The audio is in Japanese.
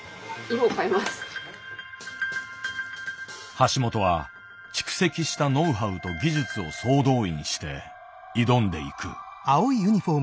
橋本は蓄積したノウハウと技術を総動員して挑んでいく。